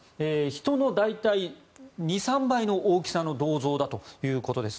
人の大体２３倍の大きさの銅像だということです。